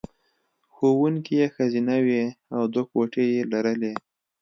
ښوونکې یې ښځینه وې او دوه کوټې یې لرلې